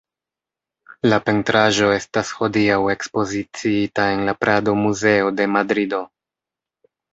La pentraĵo estas hodiaŭ ekspoziciita en la Prado-Muzeo de Madrido.